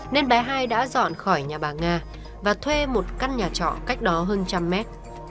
nên bé hai đã dọn khỏi nhà bà nga và thuê một căn nhà trọ cách đó hơn trăm mét